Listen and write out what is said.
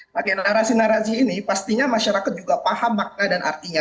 pakai narasi narasi ini pastinya masyarakat juga paham makna dan artinya